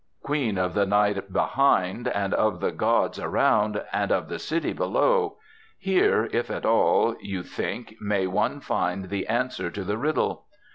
Queen of the night behind, and of the gods around, and of the city below here, if at all, you think, may one find the answer to the riddle.